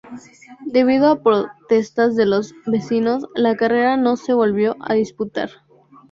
Debido a protestas de los vecinos, la carrera no se volvió a disputar.